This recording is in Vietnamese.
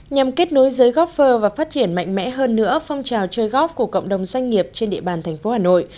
nhằm kết nối giới góp phơ và phát triển mạnh mẽ hơn nữa phong trào chơi góp của cộng đồng doanh nghiệp trên địa bàn thành phố hà nội